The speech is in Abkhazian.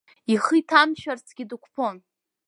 Ихы иҭамшәарцгьы дықәԥон.